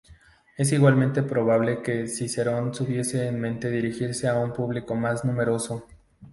Es igualmente probable que Cicerón tuviese en mente dirigirse a un público más numeroso.